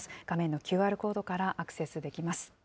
画面のＱＲコードからアクセスできます。